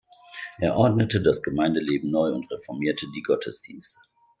Er ordnete das Gemeindeleben neu und reformierte die Gottesdienste.